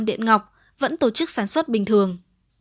điện ngọc vẫn tổ chức sản xuất bình thường